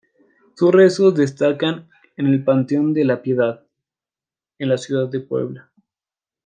Sus restos descansan en el panteón de La Piedad, en la ciudad de Puebla.